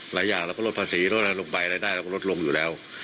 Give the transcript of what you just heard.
หลายอย่างเราก็ลดภาษีลดอะไรลงไปรายได้เราก็ลดลงอยู่แล้ว